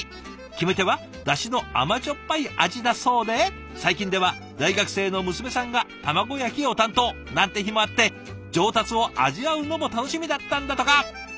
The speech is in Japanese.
決め手はだしの甘じょっぱい味だそうで最近では大学生の娘さんが卵焼きを担当なんて日もあって上達を味わうのも楽しみだったんだとか。